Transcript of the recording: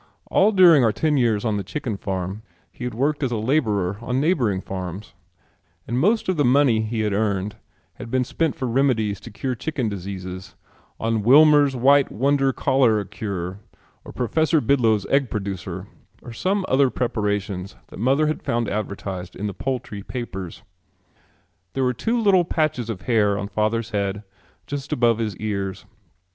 All during our ten years on the chicken farm he had worked as a laborer on neighboring farms and most of the money he had earned had been spent for remedies to cure chicken diseases, on Wilmer's White Wonder Cholera Cure or Professor Bidlow's Egg Producer or some other preparations that mother found advertised in the poultry papers. There were two little patches of hair on father's head just above his ears.